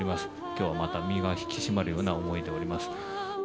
きょうはまた身が引き締まるような思いでいます。